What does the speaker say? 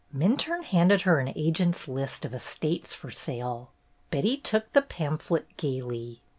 Minturne handed her an agent's list of estates for sale. Betty took the pamphlet gayly.